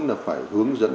là phải hướng dẫn